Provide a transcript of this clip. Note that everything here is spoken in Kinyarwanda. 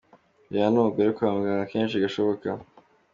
Kujyana n’umugore kwa muganga kenshi gashoboka.